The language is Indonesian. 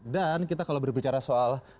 dan kita kalau berbicara soal